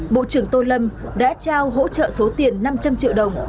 bộ trưởng tô lâm đã trao hỗ trợ số tiền năm trăm linh triệu đồng